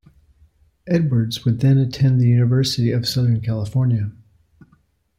Edwards would then attend the University of Southern California.